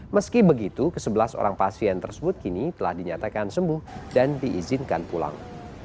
meski begitu ke sebelas orang pasien tersebut kini telah dinyatakan sembuh dan diizinkan pulang